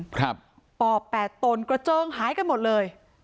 ปอบแปดตนกระเจิงหายกันหมดเลย